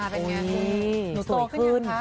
เป็นอย่างไรครับหนูโตขึ้นยังไหมคะ